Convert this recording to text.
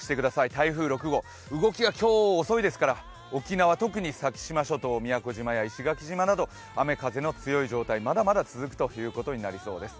台風６号、動きが今日、遅いですから沖縄、先島諸島、宮古島や石垣島など雨風の強い状態、まだまだ続くということになりそうです。